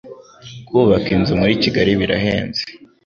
kubaka inzu muri Kigali birahenze